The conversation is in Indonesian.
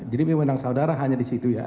jadi kewenangan saudara hanya disitu ya